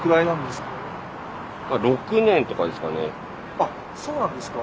あっそうなんですか？